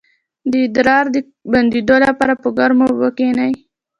د ادرار د بندیدو لپاره په ګرمو اوبو کینئ